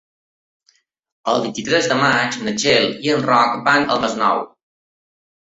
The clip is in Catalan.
El vint-i-tres de maig na Txell i en Roc van al Masnou.